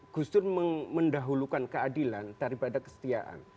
gus dur mendahulukan keadilan daripada kesetiaan